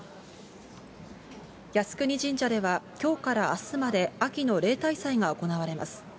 靖国神社ではきょうからあすまで秋の例大祭が行われます。